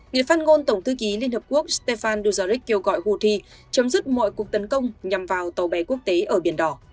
người phát ngôn tổng thư ký liên hợp quốc stefan duzaric kêu gọi houthi chấm dứt mọi cuộc tấn công nhằm vào tàu bè quốc tế ở biển đỏ